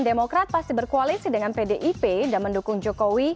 demokrat pasti berkoalisi dengan pdip dan mendukung jokowi